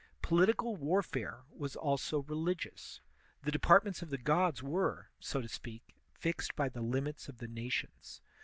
Political warfare was also religious; the depart ments of the gods were, so to speak, fixed by the limits of the nations.